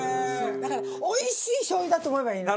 だからおいしいしょう油だと思えばいいの。